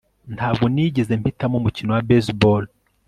Ntabwo nigeze mpitamo umukino wa baseball